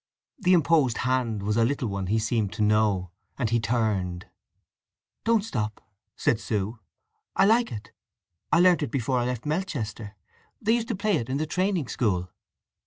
The imposed hand was a little one he seemed to know, and he turned. "Don't stop," said Sue. "I like it. I learnt it before I left Melchester. They used to play it in the training school."